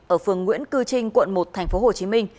ở phường nguyễn cư trinh quận một tp hcm